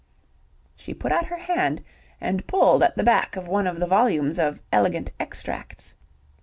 She put out her hand and pulled at the back of one of the volumes of "Elegant Extracts".